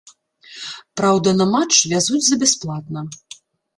Праўда, на матч вязуць за бясплатна.